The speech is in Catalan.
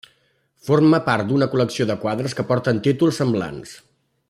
Forma part d'una col·lecció de quadres que porten títols semblants.